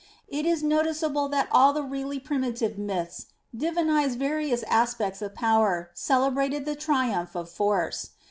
It is notice able that all the really primitive myths divinised various aspects of power, celebrated the triumph of force.